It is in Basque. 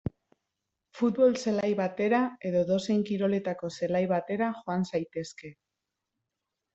Futbol zelai batera edo edozein kiroletako zelai batera joan zaitezke.